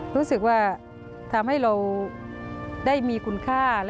รู้สึกว่าทำให้เราได้มีคุณค่า